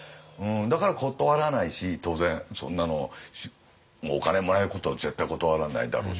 だから断らないし当然そんなのお金もらえることを絶対断らないだろうしね。